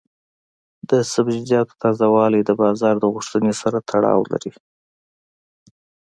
د سبزیجاتو تازه والي د بازار د غوښتنې سره تړاو لري.